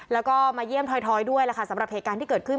แล้วก็มาเยี่ยมถอยด้วยล่ะค่ะสำหรับเหตุการณ์ที่เกิดขึ้น